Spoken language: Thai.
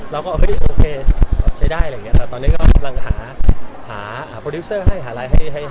เราก็โอเคใช้ได้ตอนนี้ก็กำลังหาโปรดิวเซอร์ให้